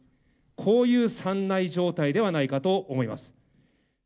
こういう３ない状態ではないかと思います。